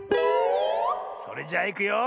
それじゃいくよ。